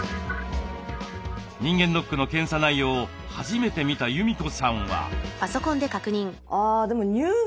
人間ドックの検査内容を初めて見た裕美子さんは。